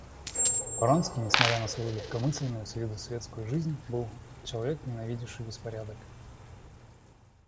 Вронский, несмотря на свою легкомысленную с виду светскую жизнь, был человек, ненавидевший беспорядок.